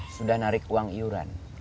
sudah narik uang iuran